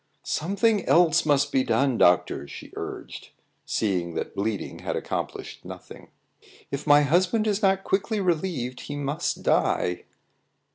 "Something else must be done, doctor," she urged, seeing that bleeding had accomplished nothing. "If my husband is not quickly relieved, he must die."